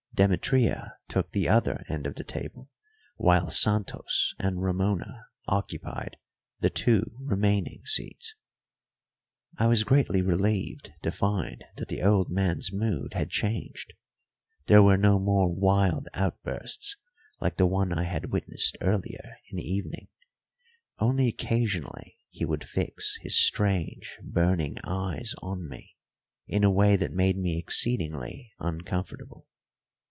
Demetria took the other end of the table, while Santos and Ramona occupied the two remaining seats. I was greatly relieved to find that the old man's mood had changed; there were no more wild outbursts like the one I had witnessed earlier in the evening; only occasionally he would fix his strange, burning eyes on me in a way that made me exceedingly uncomfortable.